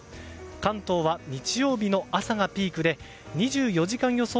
関東は日曜日の朝がピークで２４時間予想